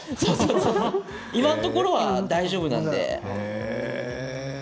今のところ大丈夫なので。